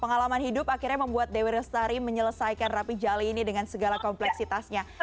pengalaman hidup akhirnya membuat dewi lestari menyelesaikan rapi jali ini dengan segala kompleksitasnya